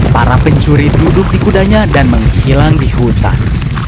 para pencuri duduk di kudanya dan menghilang di hutan